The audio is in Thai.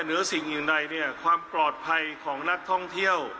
เหนือสิ่งอื่นใดเนี่ยความปลอดภัยของนักท่องเที่ยว